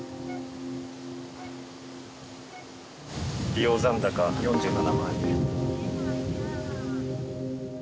利用残高４７万円。